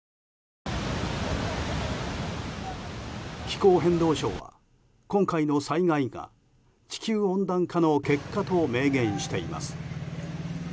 気候変動相は、今回の災害が地球温暖化の結果と明言しています。